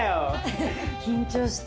緊張した。